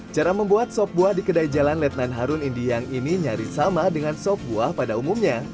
cara membuat sop buah di kedai jalan letnan harun indiang ini nyaris sama dengan sop buah pada umumnya